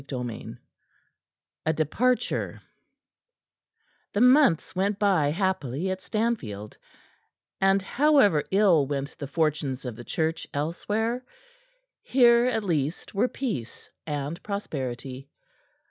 CHAPTER VI A DEPARTURE The months went by happily at Stanfield; and, however ill went the fortunes of the Church elsewhere, here at least were peace and prosperity.